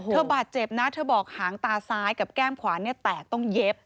บาดเจ็บนะเธอบอกหางตาซ้ายกับแก้มขวาเนี่ยแตกต้องเย็บ